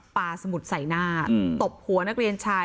สมุดใส่หน้าตบหัวนักเรียนชาย